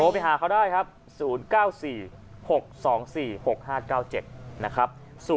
โทรไปหาเขาได้ครับ๐๙๔๖๒๔๖๕๙๗นะครับ๐๙๔๖๒๔๖๕๙๗